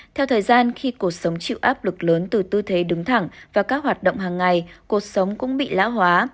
theo thời gian khi cuộc sống chịu áp lực lớn từ tư thế đứng thẳng và các hoạt động hàng ngày cuộc sống cũng bị lão hóa